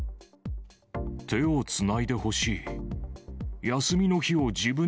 手をつないでほしい。